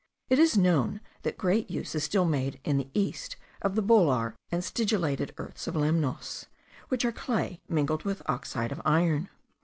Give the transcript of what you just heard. It is known that great use is still made in the East of the bolar and sigillated earths of Lemnos, which are clay mingled with oxide of iron.